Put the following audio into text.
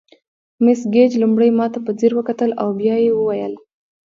مس ګیج لومړی ماته په ځیر وکتل او بیا یې وویل.